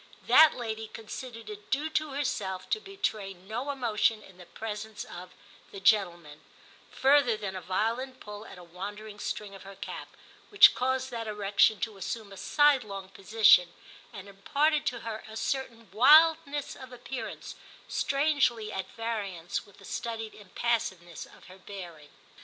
That lady considered it due to herself to betray no emotion in the presence of *the gentlemen * further than a violent pull at a wandering string of her cap, which caused that erection to assume a sidelong position, and imparted to her a certain wildness of appearance, strangely at variance with the studied impassiveness of her bearing.